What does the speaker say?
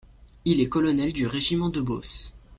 Il est colonel du régiment de Beauce.